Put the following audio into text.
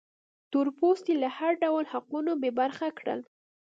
تور پوستي له هر ډول حقونو بې برخې کړل.